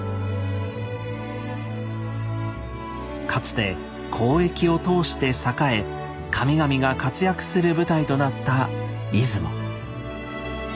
かつて交易を通して栄え神々が活躍する舞台となった出雲。